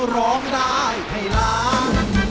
ร้องได้ให้ล้าน